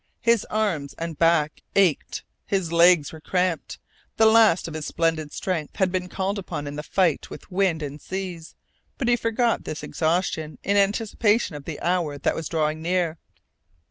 His arms and back ached, his legs were cramped, the last of his splendid strength had been called upon in the fight with wind and seas, but he forgot this exhaustion in anticipation of the hour that was drawing near.